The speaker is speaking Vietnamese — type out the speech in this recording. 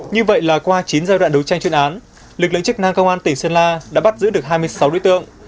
như vậy là qua chín giai đoạn đấu tranh chuyên án lực lượng chức năng công an tỉnh sơn la đã bắt giữ được hai mươi sáu đối tượng